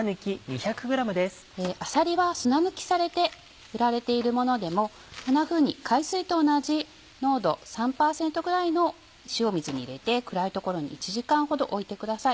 あさりは砂抜きされて売られているものでもこんなふうに海水と同じ濃度３％ぐらいの塩水に入れて暗い所に１時間ほど置いてください。